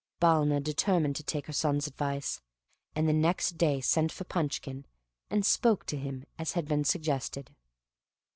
Balna determined to take her son's advice; and the next day sent for Punchkin, and spoke to him as had been suggested.